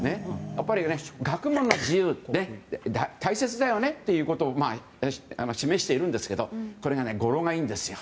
やっぱり、学問の自由大切だよねということを示しているんですけどこれ、語呂がいいんですよ。